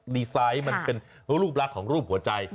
ไซต์มันเป็นรูปลักษณ์ของรูปหัวใจ